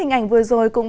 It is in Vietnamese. một ngày hội gia đình